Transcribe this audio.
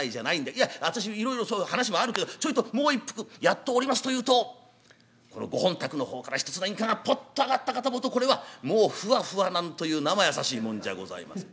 いや私いろいろ話もあるけどちょいともう一服」やっておりますというとご本宅の方から一つの陰火がポッと上がったかと思うとこれはもうフワフワなんというなまやさしいもんじゃございません。